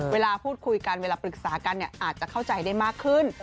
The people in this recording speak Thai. เวลาพูดคุยกันเวลาปรึกษากันอาจจะเข้าใจได้มากขึ้น